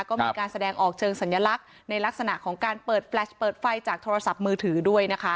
ก็มีการแสดงออกเชิงสัญลักษณ์ในลักษณะของการเปิดแฟลชเปิดไฟจากโทรศัพท์มือถือด้วยนะคะ